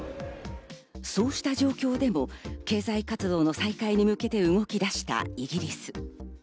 そうした状況でも経済活動の再開に向けて動き出したイギリス。